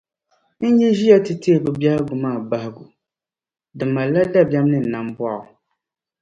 N yi ʒiya nti teei bɛ biɛhigu maa bahigu, di malila dabiɛm ni nambɔɣu.